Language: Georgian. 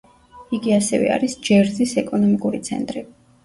იგი ასევე არის ჯერზის ეკონომიკური ცენტრი.